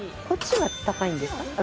こっちは高いんですか？